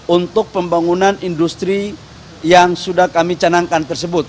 untuk pembangunan industri yang sudah kami canangkan tersebut